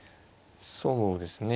そうですね。